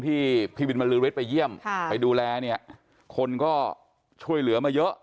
พี่บินบรรลือฤทธิไปเยี่ยมไปดูแลเนี่ยคนก็ช่วยเหลือมาเยอะ